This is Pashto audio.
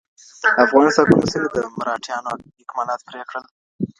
افغان ځواکونو څنګه د مرهټيانو اکمالات پرې کړل؟